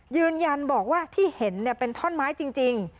ยืนยันบอกว่าที่เห็นเนี่ยเป็นถ้อนไม้จริงจริง